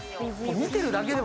見てるだけでも。